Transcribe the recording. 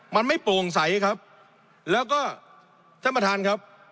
มันไม่โปร่งใสครับแล้วก็ท่านประธานครับ